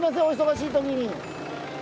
お忙しいときに。